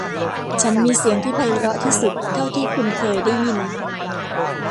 ฉันมีเสียงที่ไพเราะที่สุดเท่าที่คุณเคยได้ยิน